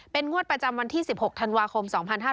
งวดประจำวันที่๑๖ธันวาคม๒๕๕๙